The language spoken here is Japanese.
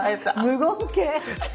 無言系。